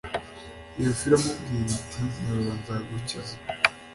iyo fi iramubwira iti nyorora nzagukiza